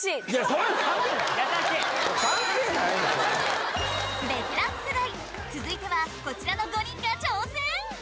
そんなん関係ないベテラン世代続いてはこちらの５人が挑戦